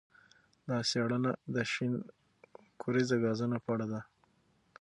دا څېړنه د شین کوریزه ګازونو په اړه ده.